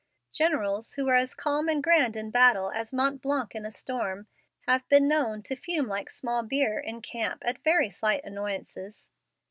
Generals who were as calm and grand in battle as Mont Blanc in a storm have been known to fume like small beer, in camp, at very slight annoyances.